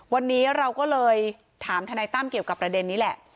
วันนี้เราก็เลยถามทนายตั้มเกี่ยวกับประเด็นนี้แหละ